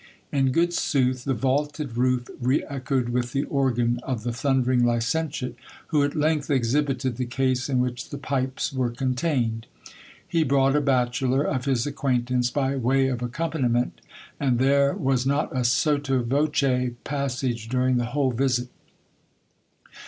In good sooth, the vaulted roof re echoed with the organ of the thundering licentiate, who at length exhibited the case in which the pipes were contained. He brought a bachelor of his acquaintance by way of accompaniment, and there was not a sotto voce passage during the whole visit.